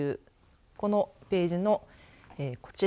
このページのこちら。